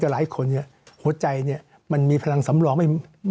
หลายคนหัวใจมันมีพลังสำรอง